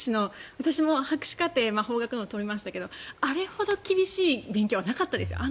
私も博士課程を取りましたけどあれほど厳しい勉強はなかったです。